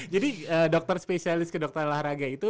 jadi dokter spesialis ke dokteran olahraga itu